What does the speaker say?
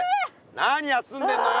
なに休んでんのよ。